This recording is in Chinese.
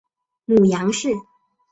母杨氏。